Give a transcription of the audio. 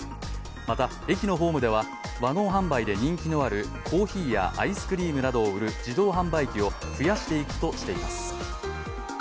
また、駅のホームではワゴン販売で人気のあるコーヒーやアイスクリームなどを売る自動販売機を増やしていくとしています。